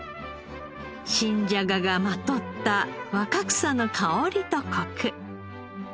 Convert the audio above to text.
新じゃががまとった若草の香りとコク。